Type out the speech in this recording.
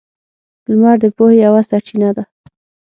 • لمر د پوهې یوه سرچینه ده.